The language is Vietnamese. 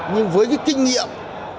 nhưng với kinh nghiệm